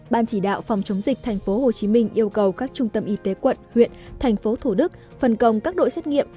ban chỉ đạo phòng chống dịch tp hcm yêu cầu các trung tâm y tế quận huyện thành phố thủ đức phần công các đội xét nghiệm